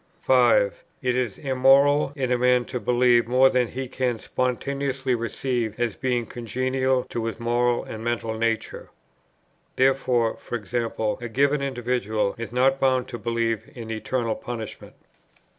5. It is immoral in a man to believe more than he can spontaneously receive as being congenial to his moral and mental nature. Therefore, e.g. a given individual is not bound to believe in eternal punishment.